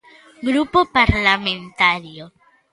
Grupo Parlamentario.